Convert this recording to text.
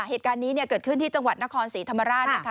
เหตุการณ์นี้เกิดขึ้นที่จังหวัดนครศรีธรรมราชนะคะ